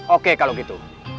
oke kalau gitu